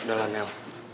udah lah mel